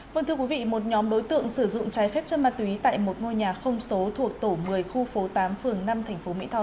vâng thưa quý vị một nhóm đối tượng sử dụng trái phép chân ma túy tại một ngôi nhà không số thuộc tổ một mươi khu phố tám phường năm tp mỹ tho